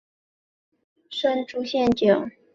原型可能是一种用竹子制作的山猪陷阱。